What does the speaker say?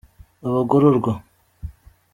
abagororwa.